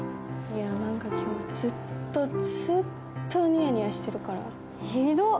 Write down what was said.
いや何か今日ずっとずっとニヤニヤしてるからひどっ